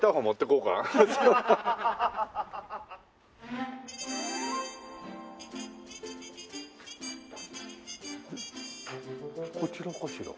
こちらかしら？